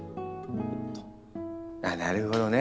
あっなるほどね。